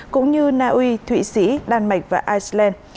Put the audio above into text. cũng như naui thụy sĩ đan mạch và iceland